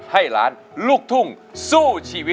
คุณองค์ร้องได้